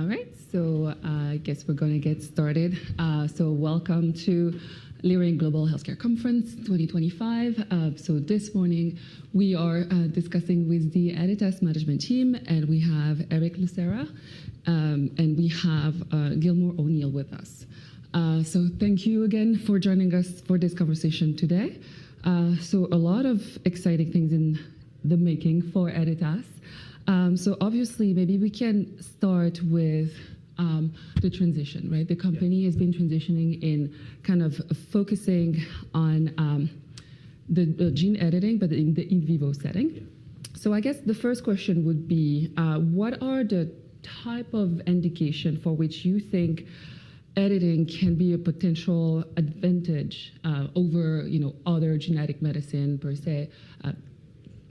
All right, I guess we're going to get started. Welcome to Leerink Global Healthcare Conference 2025. This morning we are discussing with the Editas Management Team, and we have Erick Lucera and we have Gilmore O'Neill with us. Thank you again for joining us for this conversation today. A lot of exciting things in the making for Editas. Obviously, maybe we can start with the transition, right? The company has been transitioning in kind of focusing on the gene editing, but in the in vivo setting. I guess the first question would be, what are the type of indication for which you think editing can be a potential advantage over other genetic medicine per se,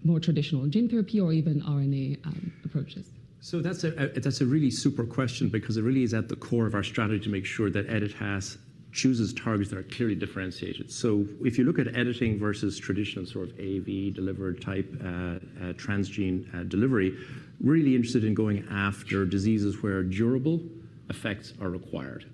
more traditional gene therapy or even RNA approaches? That's a really super question because it really is at the core of our strategy to make sure that Editas chooses targets that are clearly differentiated. If you look at editing versus traditional sort of AV delivered type transgene delivery, we're really interested in going after diseases where durable effects are required.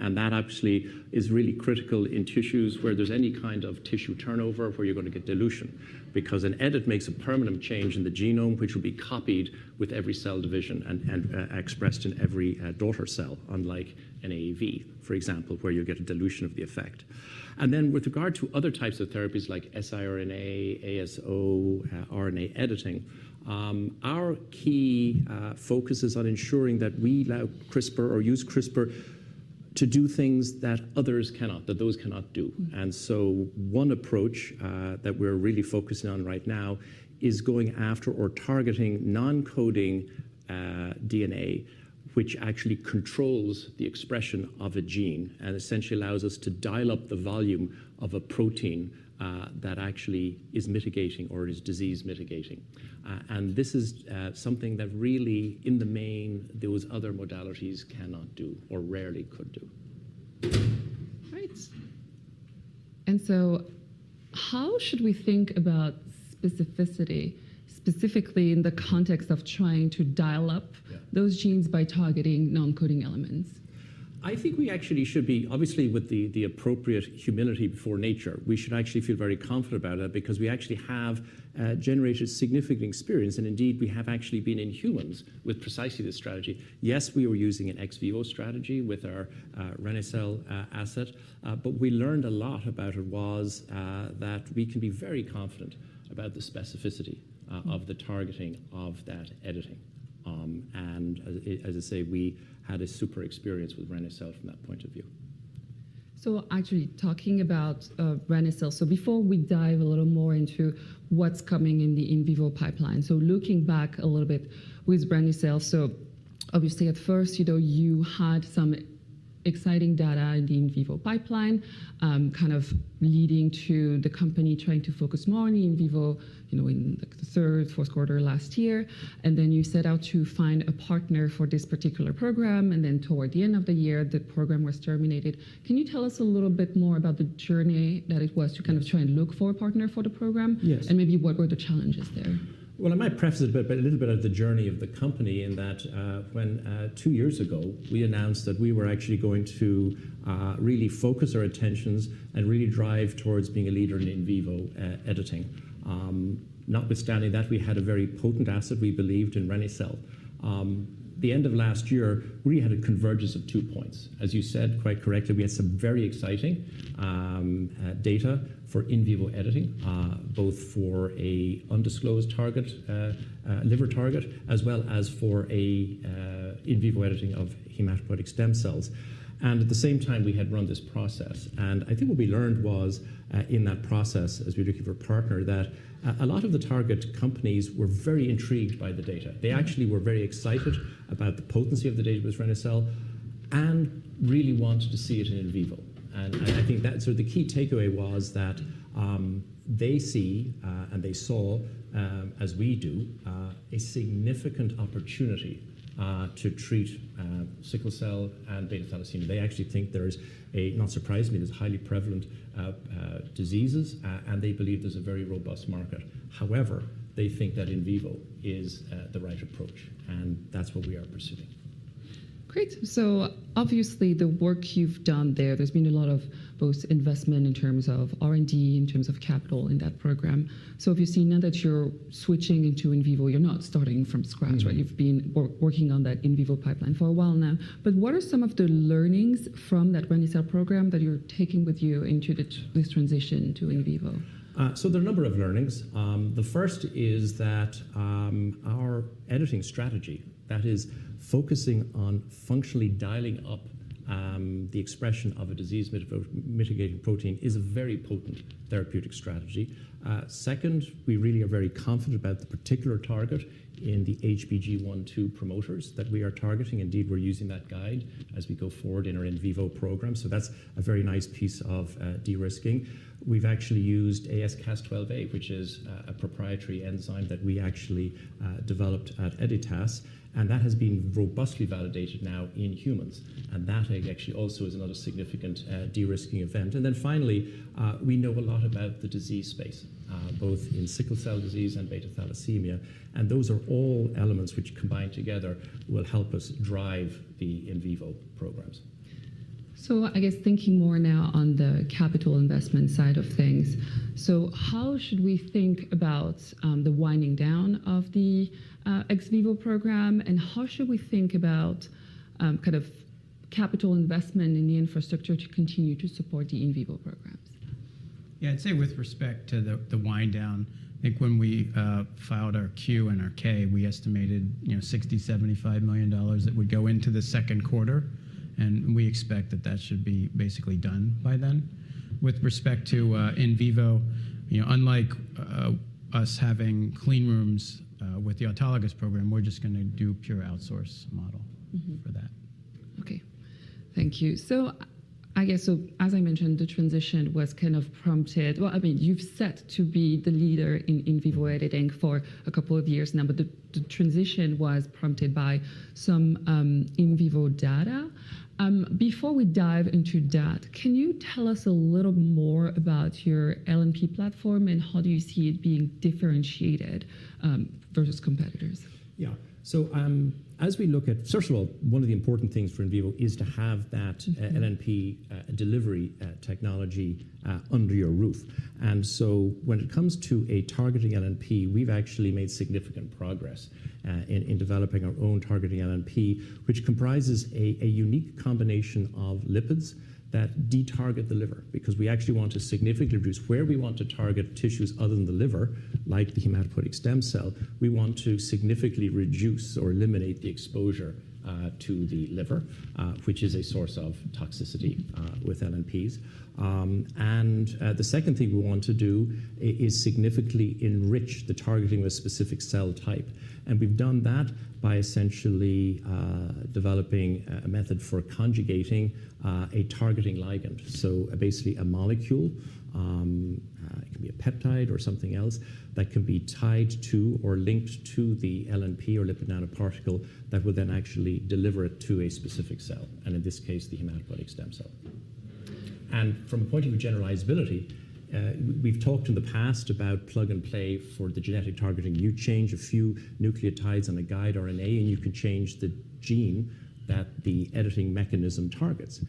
That actually is really critical in tissues where there's any kind of tissue turnover where you're going to get dilution because an edit makes a permanent change in the genome, which will be copied with every cell division and expressed in every daughter cell, unlike an AAV, for example, where you get a dilution of the effect. With regard to other types of therapies like siRNA, ASO, RNA editing, our key focus is on ensuring that we now CRISPR or use CRISPR to do things that others cannot, that those cannot do. One approach that we're really focusing on right now is going after or targeting non-coding DNA, which actually controls the expression of a gene and essentially allows us to dial up the volume of a protein that actually is mitigating or is disease mitigating. This is something that really in the main, those other modalities cannot do or rarely could do. All right. How should we think about specificity, specifically in the context of trying to dial up those genes by targeting non-coding elements? I think we actually should be, obviously with the appropriate humility before nature, we should actually feel very confident about that because we actually have generated significant experience. Indeed, we have actually been in humans with precisely this strategy. Yes, we were using an ex vivo strategy with our reni-cel asset, but we learned a lot about it. We can be very confident about the specificity of the targeting of that editing. As I say, we had a super experience with reni-cel from that point of view. Actually talking about reni-cel, before we dive a little more into what's coming in the in vivo pipeline, looking back a little bit with reni-cel, obviously at first, you know, you had some exciting data in the in vivo pipeline, kind of leading to the company trying to focus more on the in vivo in the third, fourth quarter last year. You set out to find a partner for this particular program. Toward the end of the year, the program was terminated. Can you tell us a little bit more about the journey that it was to kind of try and look for a partner for the program? Yes. Maybe what were the challenges there? I might preface it a little bit of the journey of the company in that when two years ago, we announced that we were actually going to really focus our attentions and really drive towards being a leader in in vivo editing. Notwithstanding that, we had a very potent asset we believed in reni-cel. The end of last year, we had a convergence of two points. As you said quite correctly, we had some very exciting data for in vivo editing, both for an undisclosed target, liver target, as well as for in vivo editing of hematopoietic stem cells. At the same time, we had run this process. I think what we learned was in that process, as we were looking for a partner, that a lot of the target companies were very intrigued by the data. They actually were very excited about the potency of the data with reni-cel and really wanted to see it in in vivo. I think that sort of the key takeaway was that they see and they saw, as we do, a significant opportunity to treat sickle cell and beta thalassemia. They actually think there is a, not surprisingly, these are highly prevalent diseases, and they believe there is a very robust market. However, they think that in vivo is the right approach, and that's what we are pursuing. Great. Obviously the work you've done there, there's been a lot of both investment in terms of R&D, in terms of capital in that program. If you've seen that you're switching into in vivo, you're not starting from scratch, right? You've been working on that in vivo pipeline for a while now. What are some of the learnings from that reni-cel program that you're taking with you into this transition to in vivo? There are a number of learnings. The first is that our editing strategy that is focusing on functionally dialing up the expression of a disease mitigating protein is a very potent therapeutic strategy. Second, we really are very confident about the particular target in the HBG1/2 promoters that we are targeting. Indeed, we're using that guide as we go forward in our in vivo program. That is a very nice piece of de-risking. We've actually used Cas12a, which is a proprietary enzyme that we actually developed at Editas, and that has been robustly validated now in humans. That actually also is another significant de-risking event. Finally, we know a lot about the disease space, both in sickle cell disease and beta thalassemia. Those are all elements which combined together will help us drive the in vivo programs. I guess thinking more now on the capital investment side of things, how should we think about the winding down of the ex vivo program? How should we think about kind of capital investment in the infrastructure to continue to support the in vivo programs? Yeah, I'd say with respect to the wind down, I think when we filed our Q and our K, we estimated $60 million that would go into the second quarter. We expect that that should be basically done by then. With respect to in vivo, unlike us having clean rooms with the autologous program, we're just going to do pure outsource model for that. Okay. Thank you. I guess, as I mentioned, the transition was kind of prompted, I mean, you've set to be the leader in in vivo editing for a couple of years now, but the transition was prompted by some in vivo data. Before we dive into that, can you tell us a little more about your LNP platform and how do you see it being differentiated versus competitors? Yeah. As we look at, first of all, one of the important things for in vivo is to have that LNP delivery technology under your roof. When it comes to a targeting LNP, we've actually made significant progress in developing our own targeting LNP, which comprises a unique combination of lipids that detarget the liver. Because we actually want to significantly reduce where we want to target tissues other than the liver, like the hematopoietic stem cell, we want to significantly reduce or eliminate the exposure to the liver, which is a source of toxicity with LNPs. The second thing we want to do is significantly enrich the targeting with specific cell type. We've done that by essentially developing a method for conjugating a targeting ligand. Basically a molecule, it can be a peptide or something else that can be tied to or linked to the LNP or lipid nanoparticle that will then actually deliver it to a specific cell, and in this case, the hematopoietic stem cell. From a point of view of generalizability, we've talked in the past about plug and play for the genetic targeting. You change a few nucleotides on a guide RNA and you can change the gene that the editing mechanism targets.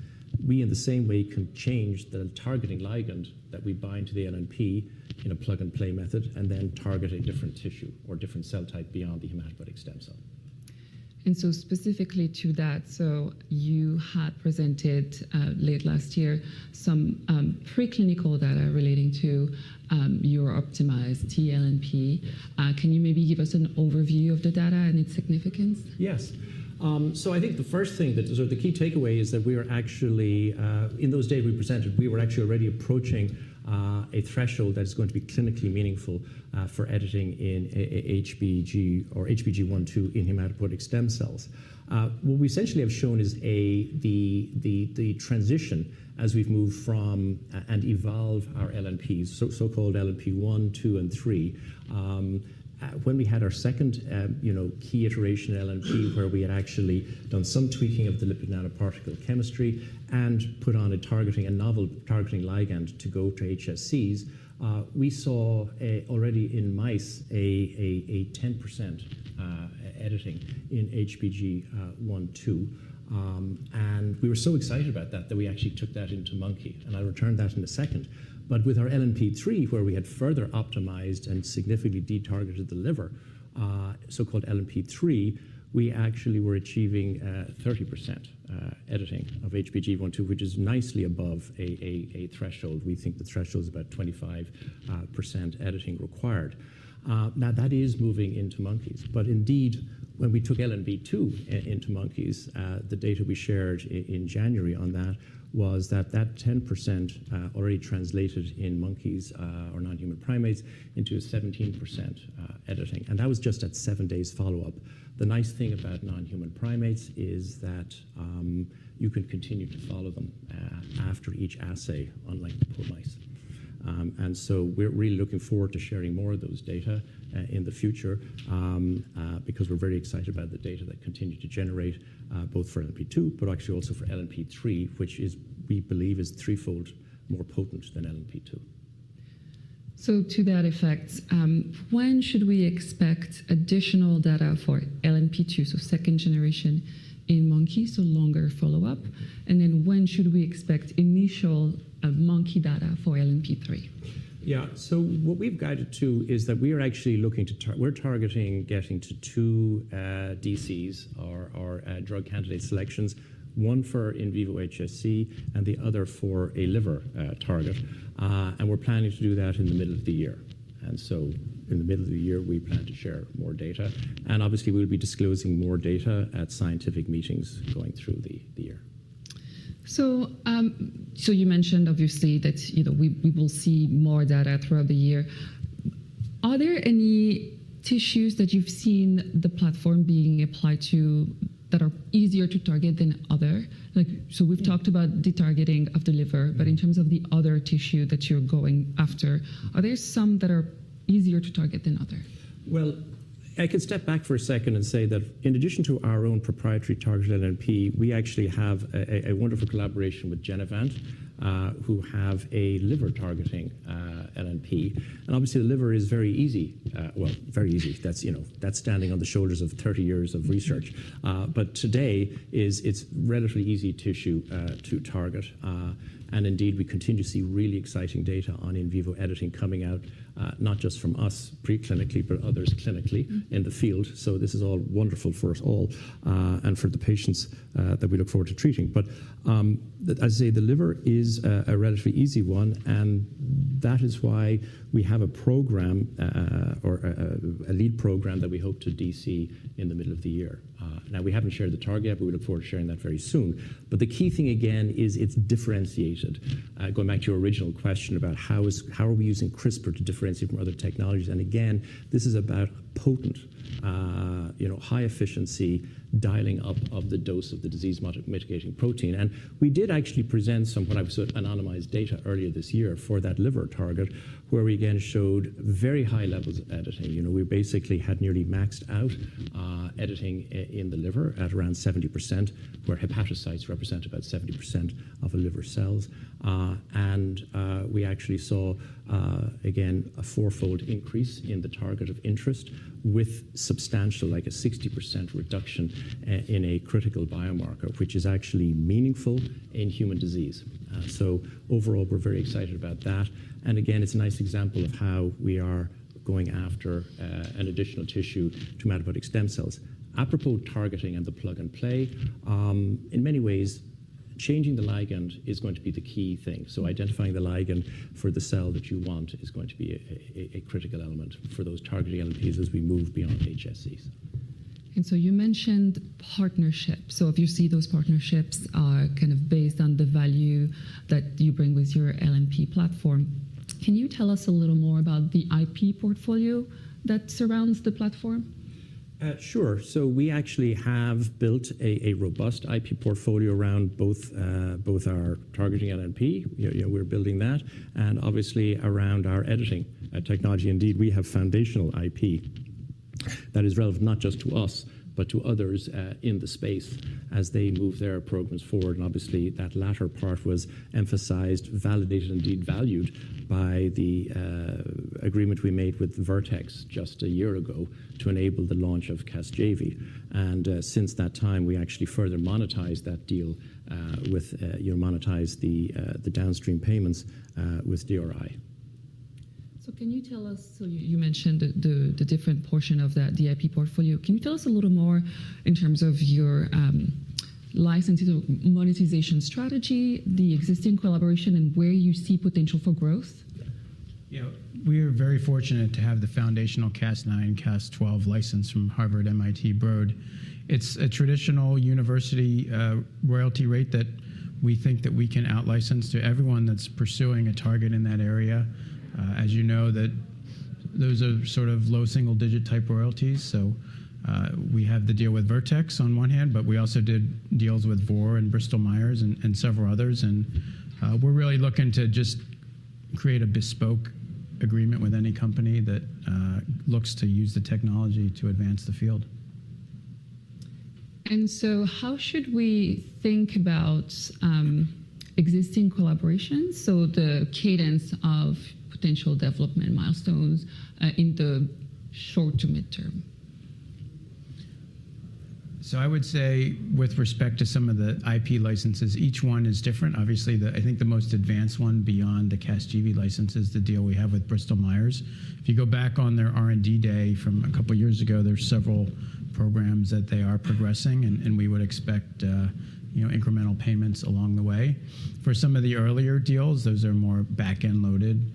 We in the same way can change the targeting ligand that we bind to the LNP in a plug 'n play method and then target a different tissue or different cell type beyond the hematopoietic stem cell. Specifically to that, you had presented late last year some preclinical data relating to your optimized tLNP. Can you maybe give us an overview of the data and its significance? Yes. I think the first thing that, or the key takeaway is that we are actually, in those days we presented, we were actually already approaching a threshold that is going to be clinically meaningful for editing in HBG or HBG1/2 in hematopoietic stem cells. What we essentially have shown is the transition as we've moved from and evolved our LNPs, so-called LNP1, 2, and 3. When we had our second key iteration LNP where we had actually done some tweaking of the lipid nanoparticle chemistry and put on a targeting, a novel targeting ligand to go to HSCs, we saw already in mice a 10% editing in HBG1/2. We were so excited about that that we actually took that into monkey. I'll return to that in a second. With our LNP3, where we had further optimized and significantly detargeted the liver, so-called LNP3, we actually were achieving 30% editing of HBG1/2, which is nicely above a threshold. We think the threshold is about 25% editing required. That is moving into monkeys. Indeed, when we took LNP2 into monkeys, the data we shared in January on that was that that 10% already translated in monkeys or non-human primates into a 17% editing. That was just at seven days follow-up. The nice thing about non-human primates is that you can continue to follow them after each assay, unlike poor mice. We are really looking forward to sharing more of those data in the future because we are very excited about the data that continue to generate both for LNP2, but actually also for LNP3, which we believe is threefold more potent than LNP2. To that effect, when should we expect additional data for LNP2, so second generation in monkeys, so longer follow-up? When should we expect initial monkey data for LNP3? Yeah. What we've guided to is that we are actually looking to, we're targeting getting to two DCs, our drug candidate selections, one for in vivo HSC and the other for a liver target. We are planning to do that in the middle of the year. In the middle of the year, we plan to share more data. Obviously, we will be disclosing more data at scientific meetings going through the year. You mentioned obviously that we will see more data throughout the year. Are there any tissues that you've seen the platform being applied to that are easier to target than others? We've talked about the targeting of the liver, but in terms of the other tissue that you're going after, are there some that are easier to target than others? I can step back for a second and say that in addition to our own proprietary targeted LNP, we actually have a wonderful collaboration with Genevant, who have a liver targeting LNP. Obviously, the liver is very easy, well, very easy. That is standing on the shoulders of 30 years of research. Today, it is a relatively easy tissue to target. Indeed, we continue to see really exciting data on in vivo editing coming out, not just from us preclinically, but others clinically in the field. This is all wonderful for us all and for the patients that we look forward to treating. As I say, the liver is a relatively easy one. That is why we have a program or a lead program that we hope to DC in the middle of the year. Now, we haven't shared the target yet, but we look forward to sharing that very soon. The key thing again is it's differentiated. Going back to your original question about how are we using CRISPR to differentiate from other technologies. Again, this is about potent, high efficiency dialing up of the dose of the disease mitigating protein. We did actually present some what I would sort of anonymized data earlier this year for that liver target, where we again showed very high levels of editing. We basically had nearly maxed out editing in the liver at around 70%, where hepatocytes represent about 70% of the liver cells. We actually saw again a fourfold increase in the target of interest with substantial, like a 60% reduction in a critical biomarker, which is actually meaningful in human disease. Overall, we're very excited about that. It's a nice example of how we are going after an additional tissue to metabolic stem cells. Apropos targeting and the plug n' play, in many ways, changing the ligand is going to be the key thing. Identifying the ligand for the cell that you want is going to be a critical element for those targeting LNPs as we move beyond HSCs. You mentioned partnerships. If you see those partnerships kind of based on the value that you bring with your LNP platform, can you tell us a little more about the IP portfolio that surrounds the platform? Sure. We actually have built a robust IP portfolio around both our targeting LNP. We're building that. Obviously, around our editing technology, indeed, we have foundational IP that is relevant not just to us, but to others in the space as they move their programs forward. Obviously, that latter part was emphasized, validated, and indeed valued by the agreement we made with Vertex just a year ago to enable the launch of CASGEVY. Since that time, we actually further monetized that deal with, you know, monetized the downstream payments with DRI. Can you tell us, you mentioned the different portion of that IP portfolio. Can you tell us a little more in terms of your licensing monetization strategy, the existing collaboration, and where you see potential for growth? Yeah. We are very fortunate to have the foundational Cas9, Cas12 license from Harvard, MIT, Broad. It's a traditional university royalty rate that we think that we can out-license to everyone that's pursuing a target in that area. As you know, those are sort of low single digit type royalties. We have the deal with Vertex on one hand, but we also did deals with Vor and Bristol Myers and several others. We are really looking to just create a bespoke agreement with any company that looks to use the technology to advance the field. How should we think about existing collaborations? The cadence of potential development milestones in the short to midterm? I would say with respect to some of the IP licenses, each one is different. Obviously, I think the most advanced one beyond the CASGEVY license is the deal we have with Bristol Myers. If you go back on their R&D day from a couple of years ago, there are several programs that they are progressing. We would expect incremental payments along the way. For some of the earlier deals, those are more back-end loaded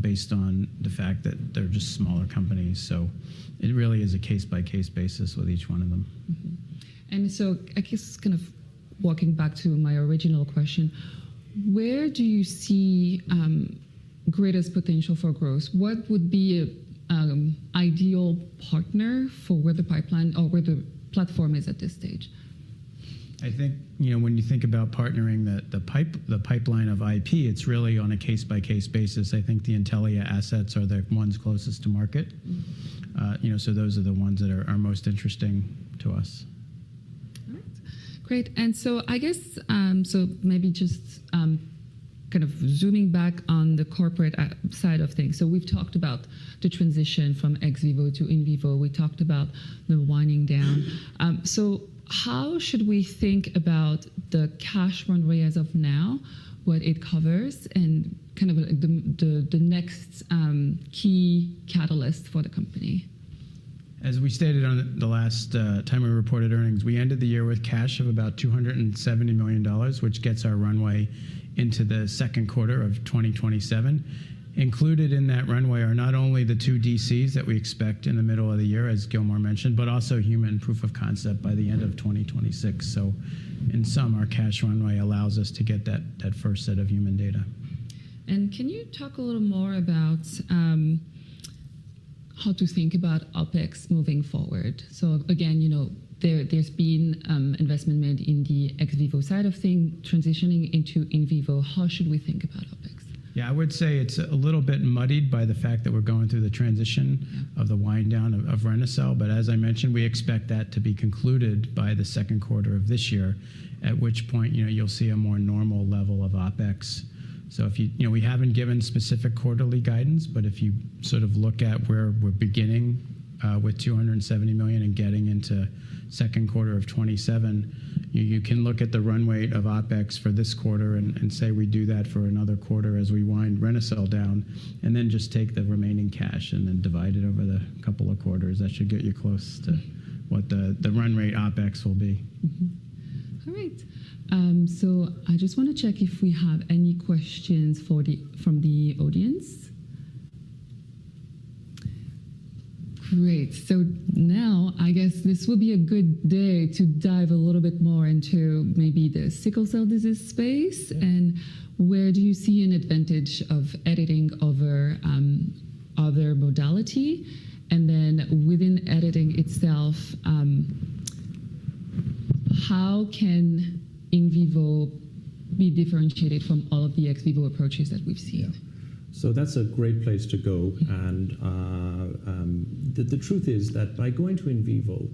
based on the fact that they are just smaller companies. It really is a case-by-case basis with each one of them. I guess kind of walking back to my original question, where do you see greatest potential for growth? What would be an ideal partner for where the pipeline or where the platform is at this stage? I think when you think about partnering the pipeline of IP, it's really on a case-by-case basis. I think the Intellia assets are the ones closest to market. Those are the ones that are most interesting to us. All right. Great. I guess, maybe just kind of zooming back on the corporate side of things. We’ve talked about the transition from ex vivo to in vivo. We talked about the winding down. How should we think about the cash runway as of now, what it covers, and kind of the next key catalyst for the company? As we stated on the last time we reported earnings, we ended the year with cash of about $270 million, which gets our runway into the second quarter of 2027. Included in that runway are not only the two DCs that we expect in the middle of the year, as Gilmore mentioned, but also human proof of concept by the end of 2026. In sum, our cash runway allows us to get that first set of human data. Can you talk a little more about how to think about OpEx moving forward? There's been investment made in the ex vivo side of things transitioning into in vivo. How should we think about OpEx? Yeah, I would say it's a little bit muddied by the fact that we're going through the transition of the wind down of reni-cel. As I mentioned, we expect that to be concluded by the second quarter of this year, at which point you'll see a more normal level of OpEx. We haven't given specific quarterly guidance, but if you sort of look at where we're beginning with $270 million and getting into second quarter of 2027, you can look at the runway of OpEx for this quarter and say we do that for another quarter as we wind reni-cel down, and then just take the remaining cash and then divide it over the couple of quarters. That should get you close to what the run rate OpEx will be. All right. I just want to check if we have any questions from the audience. Great. I guess this will be a good day to dive a little bit more into maybe the sickle cell disease space and where do you see an advantage of editing over other modality. Then within editing itself, how can in vivo be differentiated from all of the ex vivo approaches that we've seen? Yeah. That is a great place to go. The truth is that by going to in vivo,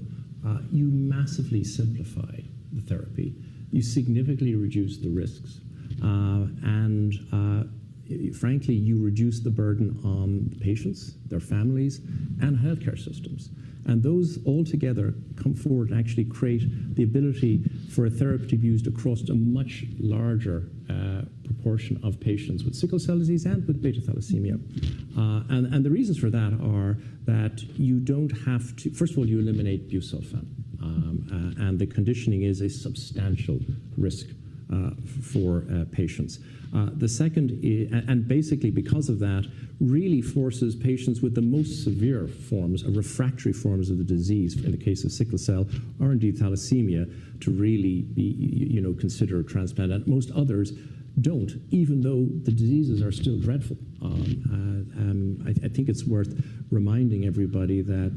you massively simplify the therapy. You significantly reduce the risks. Frankly, you reduce the burden on patients, their families, and healthcare systems. Those altogether come forward and actually create the ability for a therapy to be used across a much larger proportion of patients with sickle cell disease and with beta thalassemia. The reasons for that are that you do not have to, first of all, you eliminate busulfan. The conditioning is a substantial risk for patients. The second, and basically because of that, really forces patients with the most severe forms of refractory forms of the disease in the case of sickle cell and beta thalassemia, to really consider transplant. Most others do not, even though the diseases are still dreadful. I think it's worth reminding everybody that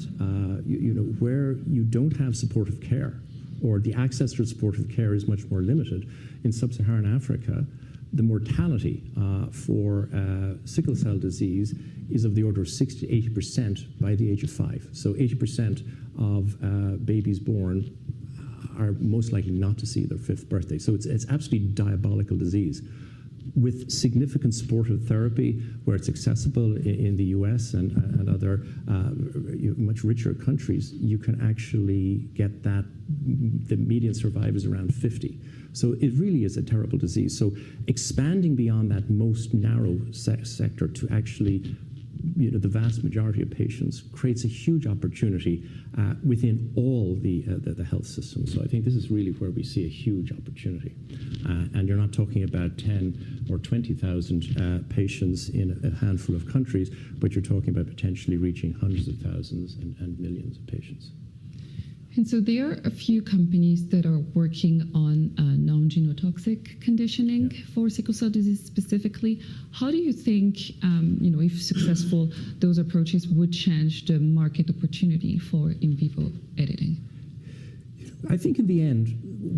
where you don't have supportive care or the access to supportive care is much more limited, in sub-Saharan Africa, the mortality for sickle cell disease is of the order of 60%-80% by the age of five. 80% of babies born are most likely not to see their fifth birthday. It's absolutely diabolical disease. With significant supportive therapy, where it's accessible in the U.S. and other much richer countries, you can actually get that the median survive is around 50. It really is a terrible disease. Expanding beyond that most narrow sector to actually the vast majority of patients creates a huge opportunity within all the health systems. I think this is really where we see a huge opportunity. You're not talking about 10,000 or 20,000 patients in a handful of countries, but you're talking about potentially reaching hundreds of thousands and millions of patients. There are a few companies that are working on non-genotoxic conditioning for sickle cell disease specifically. How do you think, if successful, those approaches would change the market opportunity for in vivo editing? I think in the end,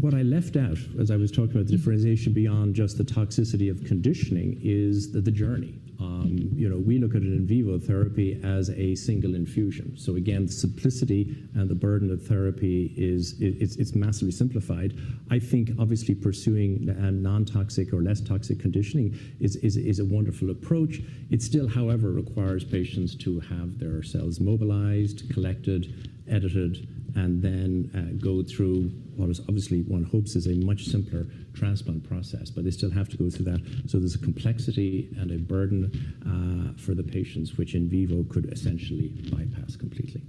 what I left out as I was talking about the differentiation beyond just the toxicity of conditioning is the journey. We look at an in vivo therapy as a single infusion. Again, the simplicity and the burden of therapy, it's massively simplified. I think obviously pursuing non-toxic or less toxic conditioning is a wonderful approach. It still, however, requires patients to have their cells mobilized, collected, edited, and then go through what is obviously one hopes is a much simpler transplant process. They still have to go through that. There is a complexity and a burden for the patients, which in vivo could essentially bypass completely.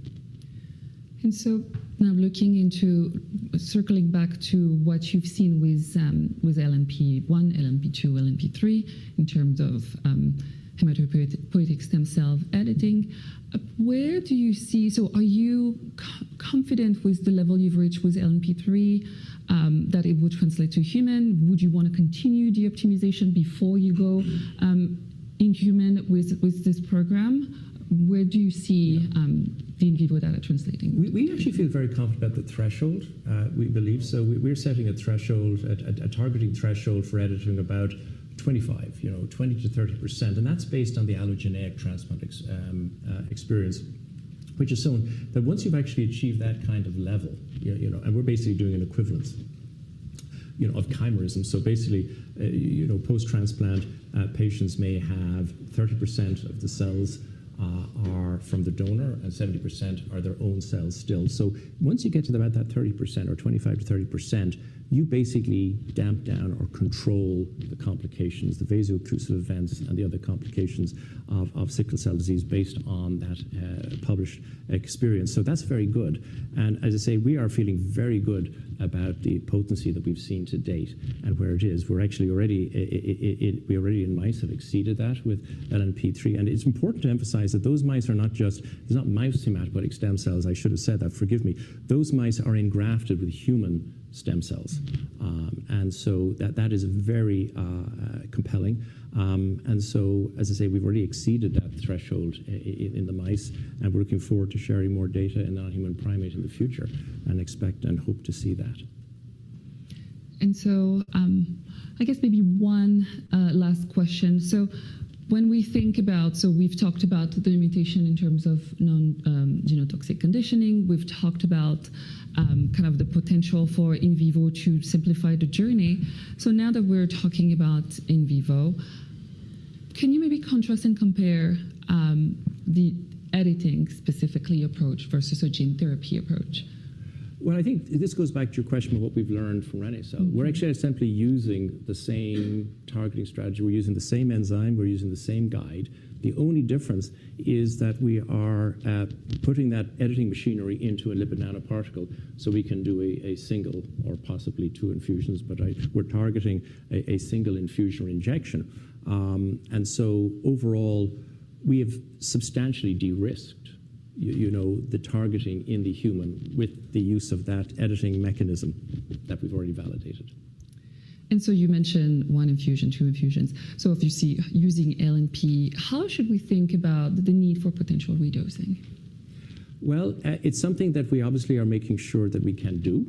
Now looking into circling back to what you've seen with LNP1, LNP2, LNP3 in terms of hematopoietic stem cell editing, where do you see, so are you confident with the level you've reached with LNP3 that it would translate to human? Would you want to continue the optimization before you go inhuman with this program? Where do you see the in vivo data translating? We actually feel very confident about the threshold. We believe so. We're setting a threshold, a targeting threshold for editing about 25%, 20%-30%. And that's based on the allogeneic transplant experience, which has shown that once you've actually achieved that kind of level, and we're basically doing an equivalence of chimerism. Basically, post-transplant patients may have 30% of the cells are from the donor and 70% are their own cells still. Once you get to about that 30% or 25%-30%, you basically damp down or control the complications, the vaso-occlusive events, and the other complications of sickle cell disease based on that published experience. That is very good. As I say, we are feeling very good about the potency that we've seen to date and where it is. We're actually already in mice have exceeded that with LNP3. It is important to emphasize that those mice are not just, there are not mouse hematopoietic stem cells. I should have said that. Forgive me. Those mice are engrafted with human stem cells. That is very compelling. As I say, we've already exceeded that threshold in the mice. We are looking forward to sharing more data in non-human primates in the future and expect and hope to see that. I guess maybe one last question. When we think about, we've talked about the limitation in terms of non-genotoxic conditioning. We've talked about kind of the potential for in vivo to simplify the journey. Now that we're talking about in vivo, can you maybe contrast and compare the editing specifically approach versus a gene therapy approach? I think this goes back to your question of what we've learned from reni-cel. We're actually simply using the same targeting strategy. We're using the same enzyme. We're using the same guide. The only difference is that we are putting that editing machinery into a lipid nanoparticle so we can do a single or possibly two infusions, but we're targeting a single infusion or injection. Overall, we have substantially de-risked the targeting in the human with the use of that editing mechanism that we've already validated. You mentioned one infusion, two infusions. If you see using LNP, how should we think about the need for potential redosing? It is something that we obviously are making sure that we can do.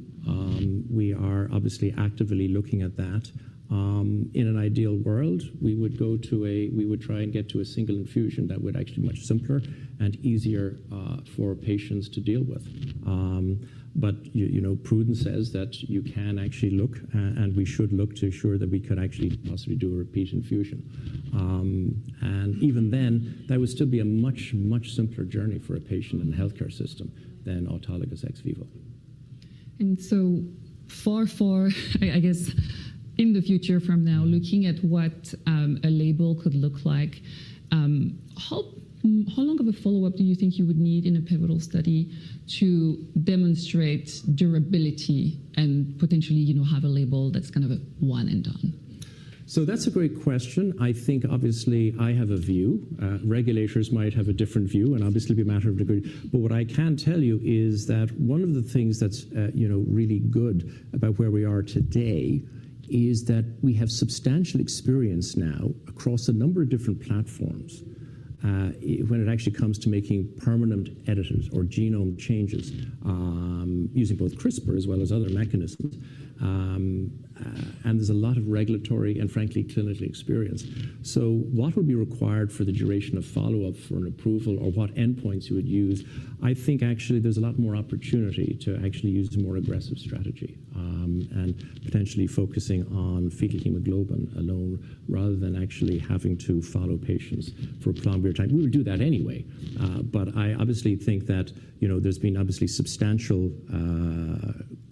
We are obviously actively looking at that. In an ideal world, we would go to a, we would try and get to a single infusion that would actually be much simpler and easier for patients to deal with. Prudence says that you can actually look, and we should look to ensure that we could actually possibly do a repeat infusion. Even then, that would still be a much, much simpler journey for a patient in the healthcare system than autologous ex vivo. So far, I guess in the future from now, looking at what a label could look like, how long of a follow-up do you think you would need in a pivotal study to demonstrate durability and potentially have a label that's kind of a one and done? That's a great question. I think obviously I have a view. Regulators might have a different view and obviously be a matter of degree. What I can tell you is that one of the things that's really good about where we are today is that we have substantial experience now across a number of different platforms when it actually comes to making permanent editors or genome changes using both CRISPR as well as other mechanisms. There's a lot of regulatory and frankly clinical experience. What would be required for the duration of follow-up for an approval or what endpoints you would use, I think actually there's a lot more opportunity to actually use a more aggressive strategy and potentially focusing on fetal hemoglobin alone rather than actually having to follow patients for a prolonged period of time. We would do that anyway. I obviously think that there's been obviously substantial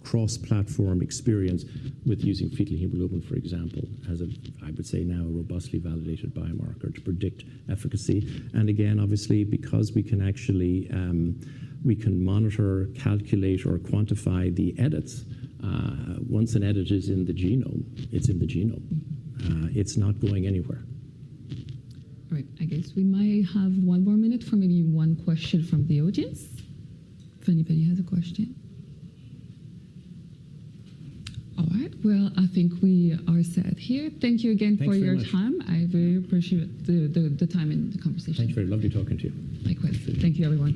cross-platform experience with using fetal hemoglobin, for example, as I would say now a robustly validated biomarker to predict efficacy. Again, obviously, because we can actually monitor, calculate, or quantify the edits. Once an edit is in the genome, it's in the genome. It's not going anywhere. All right. I guess we might have one more minute for maybe one question from the audience if anybody has a question. All right. I think we are set here. Thank you again for your time. I very appreciate the time and the conversation. Thank you very much. Lovely talking to you. Likewise. Thank you, everyone.